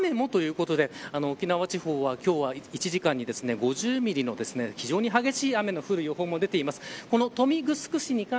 さらに雨もということで沖縄地方は今日は１時間に５０ミリの非常に激しい雨が降る予報もされています。